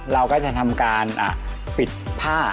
เราก็จะทำการปิดผ้า